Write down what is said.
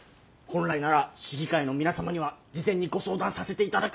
本来なら市議会の皆様には事前にご相談させていただくのが筋です。